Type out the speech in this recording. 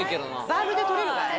バールで取れるからね。